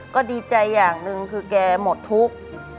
ก็ดีใจอย่างหนึ่งคือแกหมดทุกข์